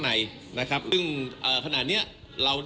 ที่สนชนะสงครามเปิดเพิ่ม